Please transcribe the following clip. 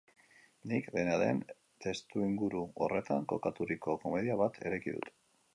Nik, dena den, testuinguru horretan kokaturiko komedia bat eraiki dut.